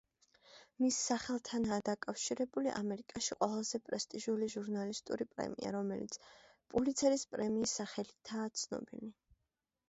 მის სახელთანაა დაკავშირებული ამერიკაში ყველაზე პრესტიჟული ჟურნალისტური პრემია, რომელიც პულიცერის პრემიის სახელითაა ცნობილი.